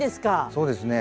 そうですね。